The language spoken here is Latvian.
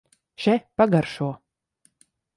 Še, pagaršo!